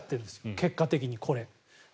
結果的に、これ。